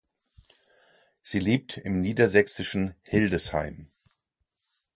Sie lebt im niedersächsischen Hildesheim.